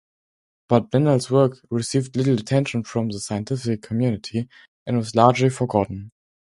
But Mendel's work received little attention from the scientific community and was largely forgotten.